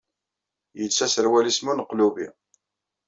Yelsa aserwal-is muneqlubi.